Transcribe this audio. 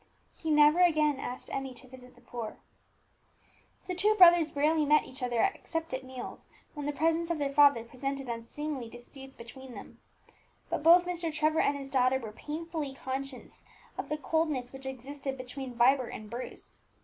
He never again asked Emmie to visit the poor. The two brothers rarely met each other except at meals, when the presence of their father prevented unseemly disputes between them. But both Mr. Trevor and his daughter were painfully conscious of the coldness which existed between Vibert and Bruce.